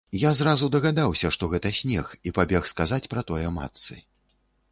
Я зразу дагадаўся, што гэта снег, і пабег сказаць пра тое матцы.